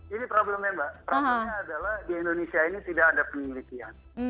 ini problemnya mbak problemnya adalah di indonesia ini tidak ada penelitian